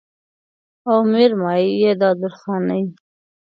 او مېرمايي يې د درخانۍ